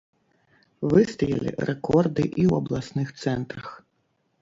Выстаялі рэкорды і ў абласных цэнтрах.